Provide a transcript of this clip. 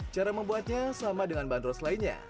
cara membuatnya sama dengan bandros lainnya